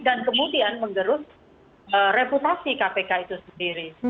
dan kemudian mengerus reputasi kpk itu sendiri